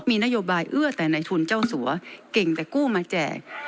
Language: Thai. มีนโยบายเอื้อแต่ในทุนเจ้าสัวเก่งแต่กู้มาแจก